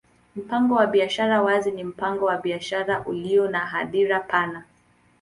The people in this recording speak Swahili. Mpango wa biashara wazi ni mpango wa biashara ulio na hadhira pana.